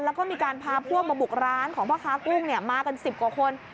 แล้วก็มีการพาพวกมาบุกร้านของพ่อค้ากุ้งมากัน๑๐กว่าคน